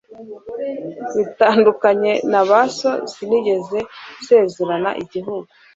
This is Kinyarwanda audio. bitandukanye na ba so, sinigeze nsezerana n'igihugu